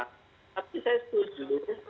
tapi saya setuju